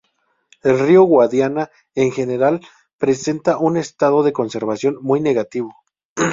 El río Guadiana, en general, presenta un estado de conservación muy negativo.